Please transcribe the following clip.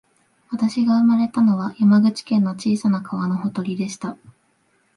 私が生まれたのは、山口県の小さな川のほとりでした